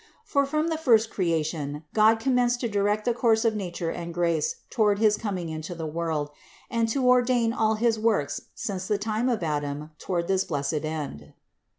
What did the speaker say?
For from the first creation God commenced to direct the course of nature and grace toward his coming into the world, and to ordain all his works since the time of Adam toward this same blessed end.